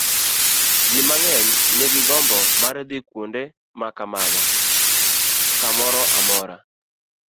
Ji mang'eny nigi gombo mar dhi kuonde ma kamago kamoro amora.